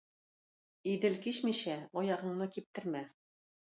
Идел кичмичә аягыңны киптермә.